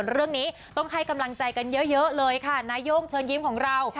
เรื่องนี้ต้องให้กำลังใจกันเยอะเลยค่ะนาย่งเชิญยิ้มของเรา